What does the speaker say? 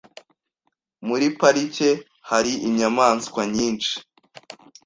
Muri parike hari inyamaswa nyinshi .